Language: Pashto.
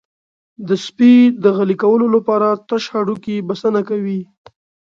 د سپي د غلي کولو لپاره تش هډوکی بسنه کوي.